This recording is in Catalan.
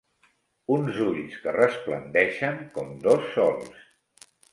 Uns ulls que resplendeixen com dos sols.